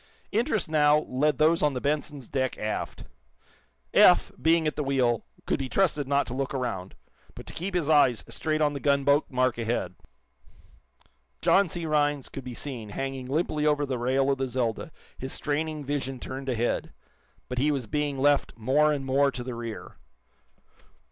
Interest, now, led those on the "Benson's" deck aft. Eph, being at the wheel, could be trusted not to look around, but to keep his eyes straight on the gunboat mark ahead. John C. Rhinds could be seen, hanging limply over the rail of the "Zelda," his straining vision turned ahead. But he was being left more and more to the rear.